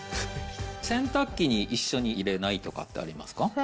洗濯機に一緒に入れないとかってありますか？